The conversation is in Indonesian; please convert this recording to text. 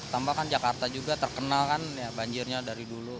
tambah kan jakarta juga terkenal kan banjirnya dari dulu